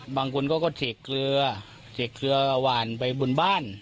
บางคนเขาก็เฉกเกลือเฉกเกลือหวานไปบนบ้าน